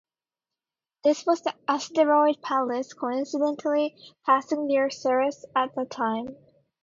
This was the asteroid Pallas, coincidentally passing near Ceres at the time.